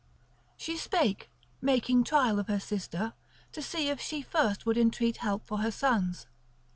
She spake, making trial of her sister to see if she first would entreat help for her sons.